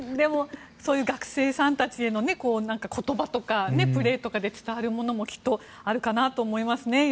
学生さんたちへの言葉とかプレーとかで伝わることもきっとあるかと思いますね。